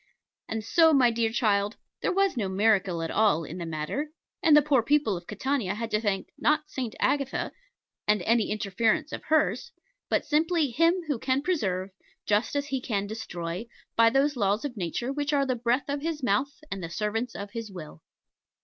And so, my dear child, there was no miracle at all in the matter; and the poor people of Catania had to thank not St. Agatha, and any interference of hers, but simply Him who can preserve, just as He can destroy, by those laws of nature which are the breath of His mouth and the servants of His will.